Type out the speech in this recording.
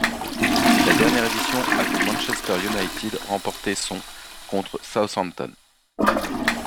La dernière édition a vu Manchester United remporter son contre Southampton.